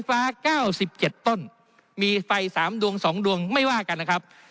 ฟ้า๙๗ต้นมีไฟ๓ดวง๒ดวงไม่ว่ากันนะครับ